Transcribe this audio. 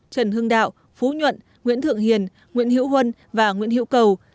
trần hương đạo phú nhuận nguyễn thượng hiền nguyễn hiệu huân và nguyễn hiệu cầu